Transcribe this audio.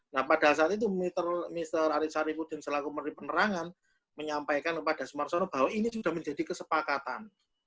nah pada saat itu mr arief sarifudin selaku menteri penerangan menyampaikan kepada sumarsono bahwa ini sudah menjadi kesepakatan